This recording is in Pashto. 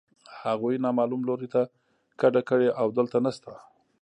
هغوی نامعلوم لوري ته کډه کړې او دلته نشته